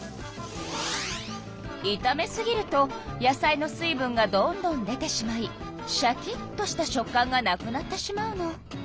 いため過ぎると野菜の水分がどんどん出てしまいシャキッとした食感がなくなってしまうの。